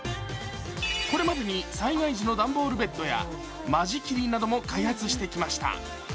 これまでに災害時の段ボールベッドや間仕切りなども開発してきました。